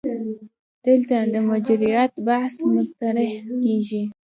دلته د مرجعیت بحث مطرح کېږي.